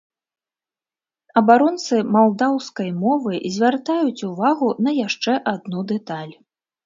Абаронцы малдаўскай мовы звяртаюць увагу на яшчэ адну дэталь.